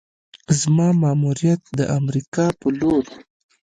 زما ماموریت د امریکا پر لور: